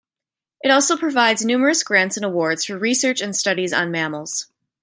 It also provides numerous grants and awards for research and studies on mammals.